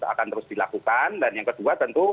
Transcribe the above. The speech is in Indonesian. akan terus dilakukan dan yang kedua tentu